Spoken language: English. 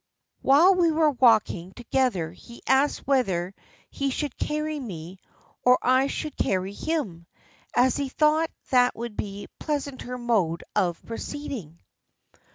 While we were walking together he asked whether he should carry me or I should carry him, as he thought that would be a pleasanter mode of proceeding."